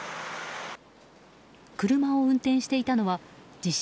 車を運転していたのは自称